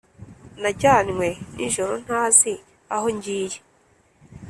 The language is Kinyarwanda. najyanywe nijoro ntazi aho ngiye